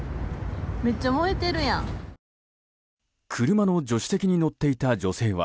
車の助手席に乗っていた女性は